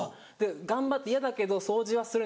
頑張って嫌だけど掃除はするんですよ。